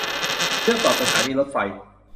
เชื่อมต่อสถานีรถไฟ